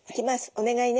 お願いね。